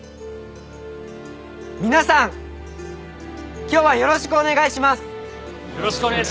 皆さん今日はよろしくお願いします！